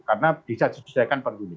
karena bisa diselesaikan penyelesaian